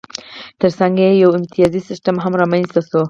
ترڅنګ یې یو امتیازي سیستم هم رامنځته شو.